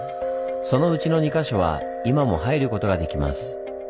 そのうちの２か所は今も入ることができます。